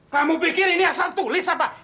kamu pikir ini asal tulis apa